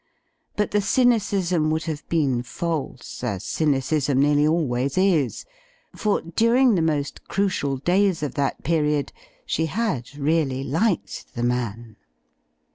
But the cynicism wouI<3 have been false; as cynicism nearly always is; foi^^ during the most crucial days of that period, she had^ really liked the man.